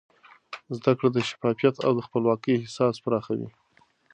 زده کړه د شفافیت او د خپلواکۍ احساس پراخوي.